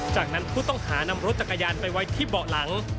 จากนั้นผู้ต้องหานำรถจักรยานไปไว้ที่เบาะหลัง